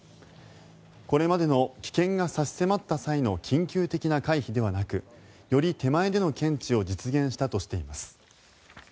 これまでの危険が差し迫った際の緊急的な回避ではなくより手前での検知を実現したとしています。